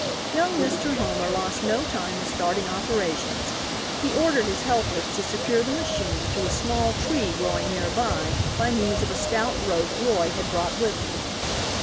Young Mr. Homer lost no time in starting operations. He ordered his helpers to secure the machine to a small tree growing nearby by means of a stout rope Roy had brought with him.